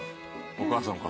お母さんか。